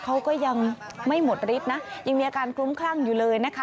เขาก็ยังไม่หมดฤทธิ์นะยังมีอาการคลุ้มคลั่งอยู่เลยนะคะ